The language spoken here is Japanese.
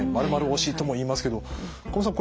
○推しとも言いますけど加茂さん